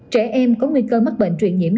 trẻ em có nguy cơ mắc bệnh truyền nhiễm